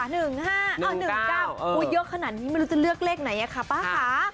เยอะขนาดนี้ไม่รู้จะเลือกเลขไหนอะค่ะป้าค่ะ